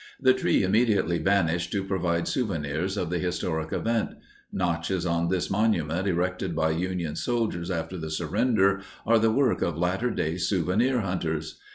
The tree immediately vanished to provide souvenirs of the historic event; notches on this monument erected by Union soldiers after the surrender are the work of latter day souvenir hunters.